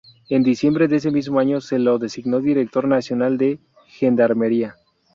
En diciembre de ese mismo año se lo designó Director Nacional de Gendarmería.